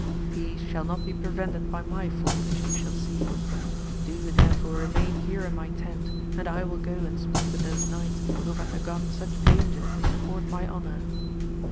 Peace shall not be prevented by my fault, as you shall see ; do you therefore remain here in my tent, and I will go and speak with those knights who have undergone such danger to support my honour.